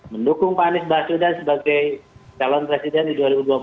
mendukung pak anies baswedan sebagai calon presiden di dua ribu dua puluh empat